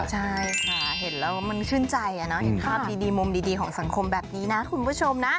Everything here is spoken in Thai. ใช่ค่ะเห็นแล้วมันชื่นใจเห็นภาพดีมุมดีของสังคมแบบนี้นะคุณผู้ชมนะ